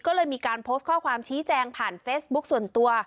ก็เลยมีการโพสต์ข้อความชี้แจงผ่านเฟซบุ๊คส่วนตัว